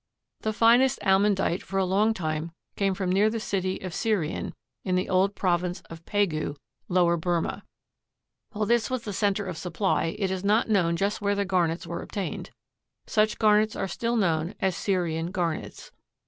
The finest almandite for a long time came from near the city of Sirian, in the old province of Pegu, Lower Burmah. While this was the center of supply, it is not known just where the garnets were obtained. Such garnets are still known as "Sirian" garnets.